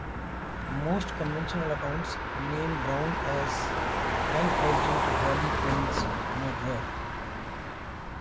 Most conventional accounts name Brown as bank president Wylie Payne's murderer.